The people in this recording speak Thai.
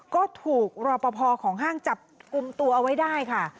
ก็ถูกรอปภของห้างจับกลุ่มตัวเอาไว้ได้ค่ะ